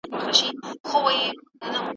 احساساتي قضاوت ګمراه کوي.